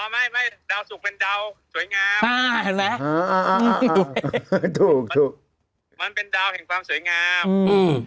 ไม่ดาวสุกเป็นดาวสวยงาม